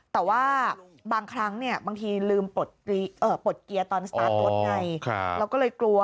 แต่ว่าบางครั้งบางทีลืมปลดเกียร์ตอนสตาร์ทรถไงเราก็เลยกลัว